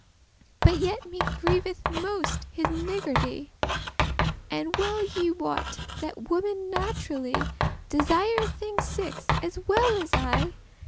But yet me grieveth most his niggardy.* *stinginess And well ye wot, that women naturally Desire thinges six, as well as I.